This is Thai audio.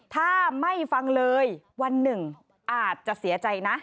ถ้าไม่ฟังเลยวันหนึ่งอาจจะเสียใจนะ